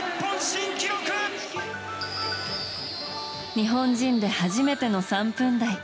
日本人で初めての３分台。